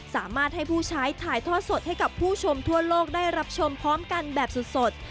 สามารถให้ผู้ใช้ถ่ายทอดสดให้กับผู้ชมทั่วโลกได้รับชมพร้อมกันแบบสด